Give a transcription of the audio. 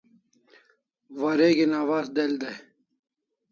Wareg'in awaz del dai